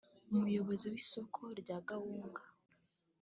umuyobozi w’isoko rya Gahunga